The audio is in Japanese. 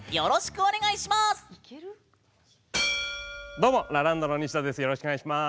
どうもラランドのニシダです。